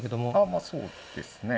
まあそうですね。